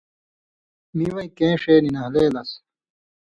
می وَیں کېں ݜے نی نھالے لس